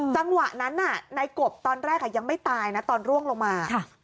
จังหวะนั้นน่ะนายกบตอนแรกยังไม่ตายนะตอนร่วงลงมา